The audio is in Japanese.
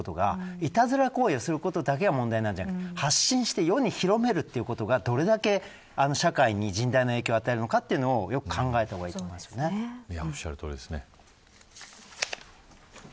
いたずら行為をすることだけが問題じゃなくて発信して世に広めるということがどれだけ社会に甚大な影響を与えるのかというのをおっしゃるとおりですね。